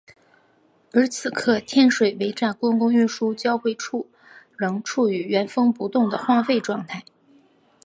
而此刻天水围站公共运输交汇处仍处于原封不动的荒废状态。